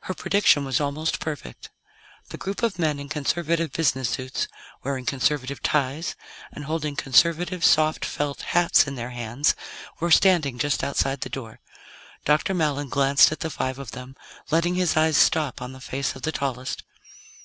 Her prediction was almost perfect. The group of men in conservative business suits, wearing conservative ties, and holding conservative, soft, felt hats in their hands were standing just outside the door. Dr. Mallon glanced at the five of them, letting his eyes stop on the face of the tallest.